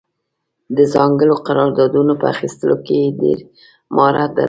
د ځانګړو قراردادونو په اخیستلو کې یې ډېر مهارت درلود.